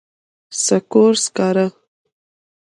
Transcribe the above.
سکور، سکارۀ